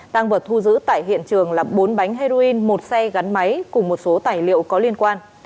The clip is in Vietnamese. tăng vật thu giữ tại hiện trường là bốn bánh heroin một xe gắn máy cùng một số tài liệu có liên quan